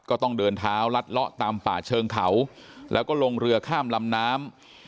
ก็ต้องเดินเท้าลัดเลาะตามป่าเชิงเขาแล้วก็ลงเรือข้ามลำน้ำ